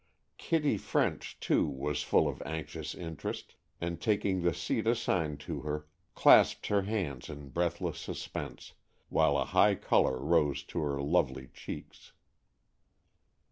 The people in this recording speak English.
Kitty French, too, was full of anxious interest, and, taking the seat assigned to her, clasped her little hands in breathless suspense, while a high color rose to her lovely cheeks.